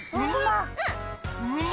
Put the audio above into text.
うま？